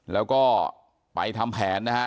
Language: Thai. แล้วก็ไปทำแผนนะฮะ